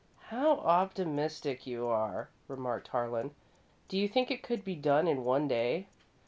"How optimistic you are!" remarked Harlan. "Do you think it could be done in one day?"